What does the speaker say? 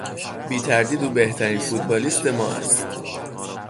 بیتردید او بهترین فوتبالیست ما است.